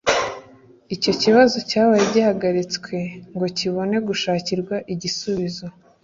icyo kibazo cyabaye gihagaritswe ngo kibone gushakirwa igisubizo